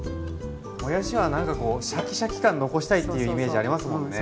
もやしはなんかこうシャキシャキ感残したいっていうイメージありますもんね。